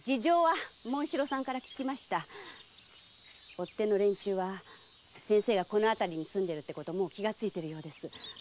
追手の連中は先生がこの辺りに住んでるともう気がついているようです。